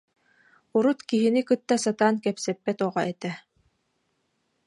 Урут киһини кытта сатаан кэпсэппэт оҕо этэ